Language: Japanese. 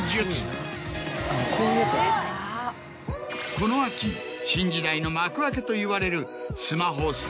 この秋新時代の幕開けといわれる。